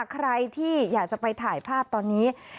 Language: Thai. ใครที่อยากจะไปถ่ายภาพตอนนี้